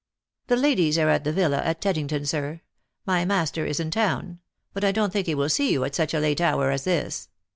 " The ladies are at the villa at Teddington, sir. My master is in town ; but I don't think he will see you at such a late hour as this."